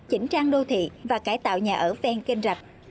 chỉnh trang đô thị và cải tạo nhà ở ven kênh rạch